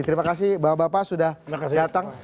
terima kasih bapak bapak sudah datang